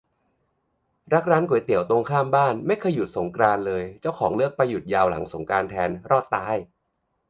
รักร้านก๋วยเตี๋ยวตรงข้ามบ้าน ไม่เคยหยุดสงกรานต์เลย เจ้าของเลือกไปหยุดยาวหลังสงกรานต์แทน รอดตาย